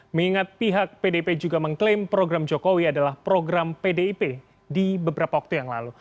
mengingat pihak pdip juga mengklaim program jokowi adalah program pdip di beberapa waktu yang lalu